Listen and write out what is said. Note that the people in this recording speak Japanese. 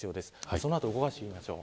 その後、動かしていきましょう。